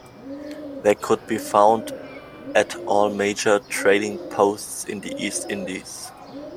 They could be found at all major trading posts in the East Indies.